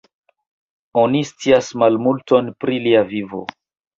Oni scias malmulton pri lia vivo.